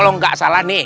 saya pengguna pakde